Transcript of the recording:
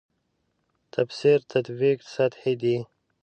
تفسیر تطبیق سطحې دي.